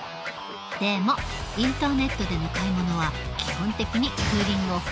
でもインターネットでの買い物は基本的にクーリングオフはできない。